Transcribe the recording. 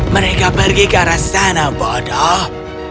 mereka pergi ke arah sana bodoh